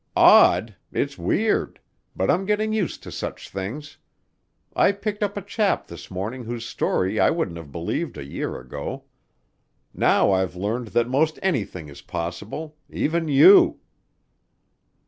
"Odd? It's weird! But I'm getting used to such things. I picked up a chap this morning whose story I wouldn't have believed a year ago. Now I've learned that most anything is possible even you."